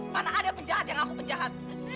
tante mana ada penjahat yang aku penjahat